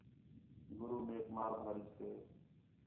گُرو میک مار بھاری سے